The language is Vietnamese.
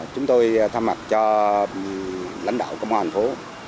chúng tôi tham mạc cho lãnh đạo công an phố